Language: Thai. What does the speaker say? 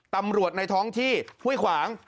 ตำรวจในท้องที่หุ้ยขวาง